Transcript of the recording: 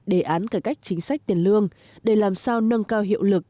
đề án cải cách chính sách tiền lương để làm sao nâng cao hiệu lực